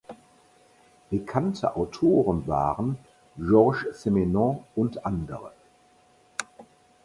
Bekannte Autoren waren Georges Simenon und andere.